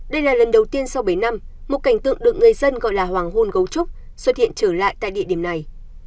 đây là lần đầu tiên sau bảy năm một cảnh tượng được người dân gọi là hoàng hôn gấu trúc xuất hiện trở lại tại địa điểm này